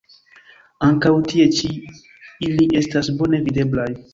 Ankaŭ tie ĉi ili estas bone videblaj.